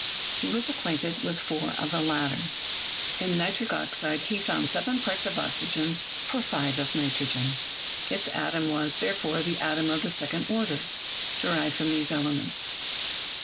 He was acquainted with four of the latter. In i84 CHEMISTRY nitric oxide he found 7 parts of oxygen for 5 of nitrogen ; its atom was, therefore, the atom of the second order, derived from these elements.